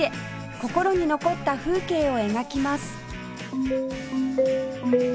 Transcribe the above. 心に残った風景を描きます